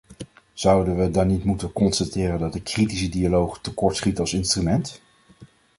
Zouden we dan niet moeten constateren dat de ´kritische dialoog´ tekortschiet als instrument?